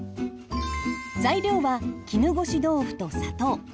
材料は絹ごし豆腐と砂糖。